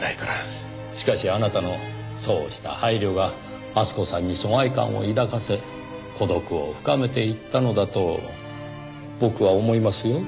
しかしあなたのそうした配慮が厚子さんに疎外感を抱かせ孤独を深めていったのだと僕は思いますよ。